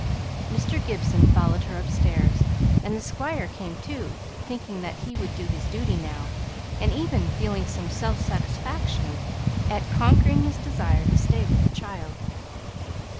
Mr. Gibson followed her upstairs, and the Squire came too, thinking that he would do his duty now, and even feeling some self satisfaction at conquering his desire to stay with the child.